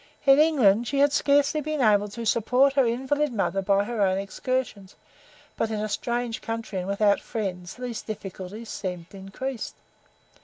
In England she had scarcely been able to support her invalid mother by her own exertions, but in a strange country and without friends these difficulties seemed increased.